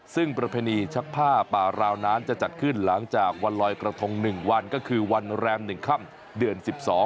ซึ่งประเพณีชักผ้าป่าราวนั้นจะจัดขึ้นหลังจากวันลอยกระทง๑วันก็คือวันแรม๑ค่ำเดือน๑๒